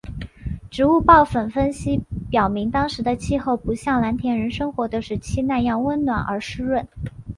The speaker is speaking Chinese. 植物孢粉分析表明当时的气候不像蓝田人生活的时期那样温暖而湿润。